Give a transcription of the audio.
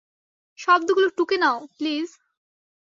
শব্দগুলো টুকে নাও, প্লিজ।